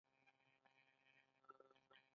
آیا دوی خپلې الوتکې نه ترمیموي؟